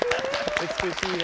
美しいね。